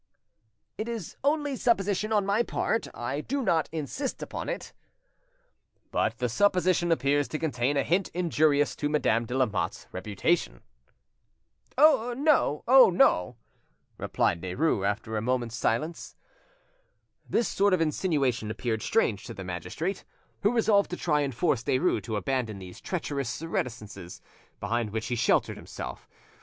"It is only supposition on my part, I do not insist upon it." "But the supposition appears to contain a hint injurious to Madame de Lamotte's reputation?" "No, oh no!" replied Derues, after a moment's silence. This sort of insinuation appeared strange to the magistrate, who resolved to try and force Derues to abandon these treacherous reticences behind which he sheltered himself.